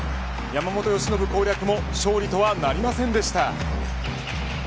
山本由伸攻略も勝利とはなりませんでした。